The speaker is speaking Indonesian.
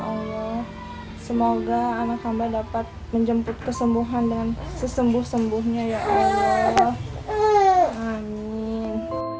allah semoga anak hamba dapat menjemput kesembuhan dengan sesembuh sembuhnya ya allah